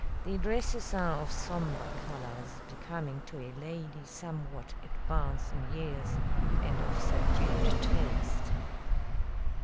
The dresses are of somber colors, becoming to a lady somewhat advanced in years and of subdued taste."